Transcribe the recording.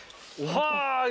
はい！